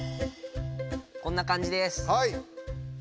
こんな感じです。